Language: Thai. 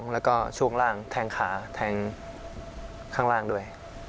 แล้วก็ช่วงล่างแทงขาแทงข้างล่างด้วย